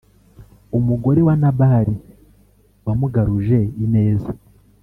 umugore wa Nabali wamugaruje ineza